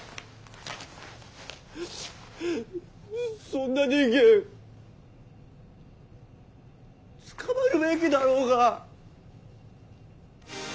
そんな人間捕まるべきだろうが。